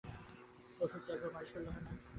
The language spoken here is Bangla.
ঔষধটা একবার মালিশ করিলে হয় না?